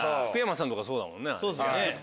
福山さんとかそうだもんね。